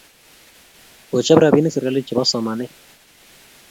Kochap rapinik serkalit chepo somanet